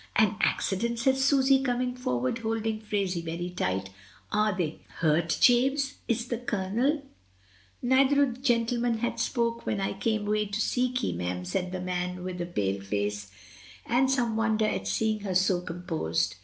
"An accident!" said Susy, coming forward, hold ing Phraisie very tight "Are they hurt, James? Is the Colonel " "Neither o' the gentlemen had spoke when I came away to seek ye, mem," said the man, with a 2* 20 MRS. DYMOND. pale face; and some wonder at seeing her so com posed.